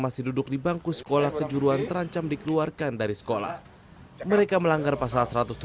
masih duduk di bangku sekolah kejuruan terancam dikeluarkan dari sekolah mereka melanggar pasal